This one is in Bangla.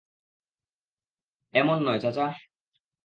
এমন নয়, চাচা।